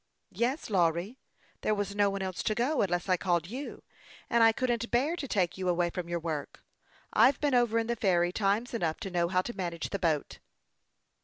" Yes, Lawry ; there was no one else to go, unless I called you, and I couldn't bear to take you away from your work. I've been over in the ferry times enough to know how to manage the boat."